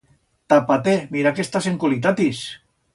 Tapa-te, mira que estás en culitatis!